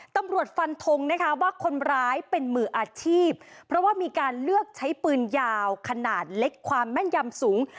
ฟันทงนะคะว่าคนร้ายเป็นมืออาชีพเพราะว่ามีการเลือกใช้ปืนยาวขนาดเล็กความแม่นยำสูง